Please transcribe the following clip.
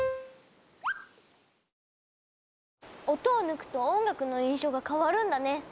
音を抜くと音楽の印象が変わるんだね。